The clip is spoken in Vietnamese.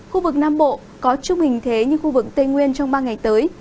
khu vực nam bộ có chung hình thế như khu vực tây nguyên trong ba ngày tới